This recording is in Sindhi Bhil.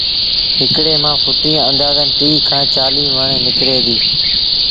هڪڙي مآݩ ڦُٽيٚ آݩدآزن ٽيٚه کآݩ چآليٚه مڻ نڪري ديٚ